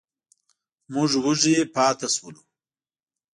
موږ وږي پاتې شولو.